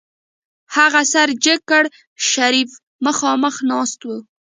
هغې سر جګ کړ شريف مخاخ ناست و.